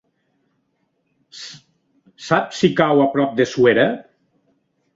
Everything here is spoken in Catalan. Saps si cau a prop de Suera?